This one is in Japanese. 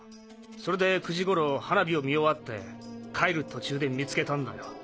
それで９時頃花火を見終わって帰る途中で見つけたんだよ。